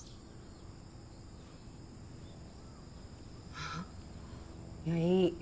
あいやいい。